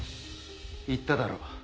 言っただろ